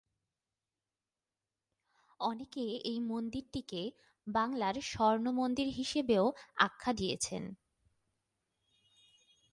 অনেকে এই মন্দিরটিকে বাংলার ‘স্বর্ণ মন্দির’ হিসেবেও আখ্যা দিচ্ছেন।